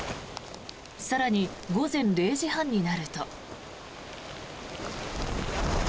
更に、午前０時半になると。